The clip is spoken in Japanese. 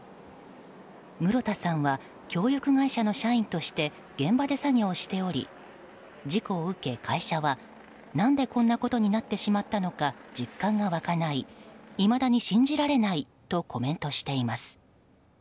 室田さんは協力会社の社員として現場で作業しており事故を受け、会社は何でこんなことになってしまったのか実感が湧かないいまだに信じられないとコメントしています。